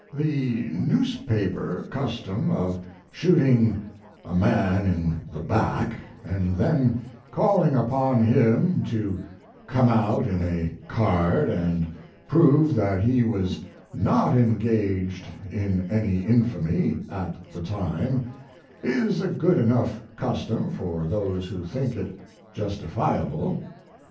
The newspaper custom of shooting a man in the back and then calling upon him to come out in a card and prove that he was not engaged in any infamy at the time is a good enough custom for those who think it justifiable.